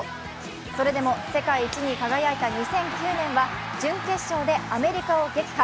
それでも世界一に輝いた２００９年は準決勝でアメリカを撃破。